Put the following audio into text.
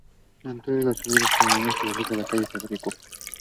La entrada y salida de autobuses se realiza por la calle Federico Cantero Villamil.